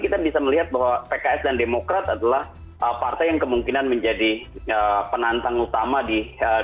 kita bisa melihat bahwa pks dan demokrat adalah partai yang kemungkinan menjadi penantang utama di dua ribu dua puluh